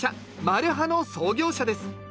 マルハの創業者です。